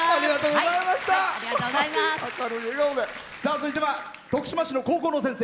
続いては徳島市の高校の先生。